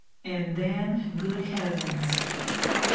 And then, good heavens!